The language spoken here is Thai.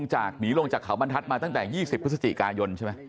จากหนีลงจากเขาบรรทัศน์มาตั้งแต่๒๐พฤศจิกายนใช่ไหม